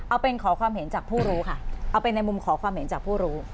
เอาเป็นขอความเห็นจากผู้รู้ค่ะเอาเป็นในมุมขอความเห็นจากผู้รู้